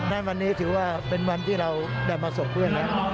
นั้นวันนี้ถือว่าเป็นวันที่เราได้มาส่งเพื่อนแล้ว